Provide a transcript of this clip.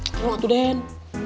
satu lagi den